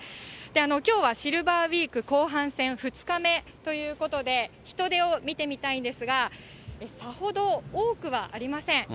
きょうはシルバーウィーク後半戦２日目ということで、人出を見てみたいんですが、さほど多くはありません。